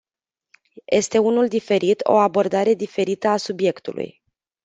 Este unul diferit, o abordare diferită a subiectului.